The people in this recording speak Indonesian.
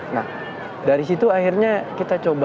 nah dari situ akhirnya kita coba